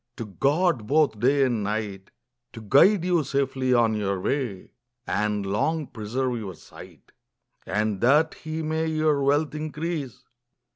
To God both day and night I To guide you safely on your way, ! And long preserve your sight. I And that he may your wealth increase